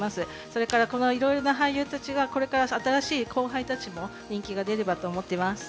それからいろいろな俳優たちがこれから新しい後輩たちも人気が出ればと思っています。